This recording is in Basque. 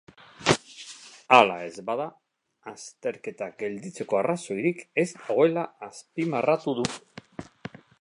Hala ez bada, azterketak gelditzeko arrazoirik ez dagoela azpimarratu du.